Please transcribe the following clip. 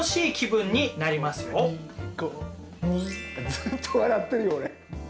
ずっと笑ってるよ俺。